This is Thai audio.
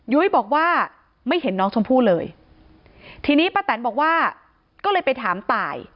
ยุ้ยบอกว่าไม่เห็นน้องชมพู่เลยทีนี้ป้าแตนบอกว่าก็เลยไปถามตาย